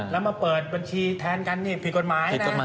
แล้วมาเปิดบัญชีแทนกันพิกฎหมายนะฮะ